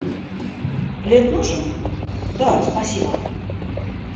«Плед нужен?» — «Да, спасибо».